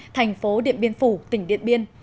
thành phố điện biên phủ tỉnh điện biên